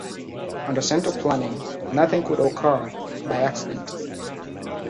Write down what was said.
Under central planning, nothing could occur by accident.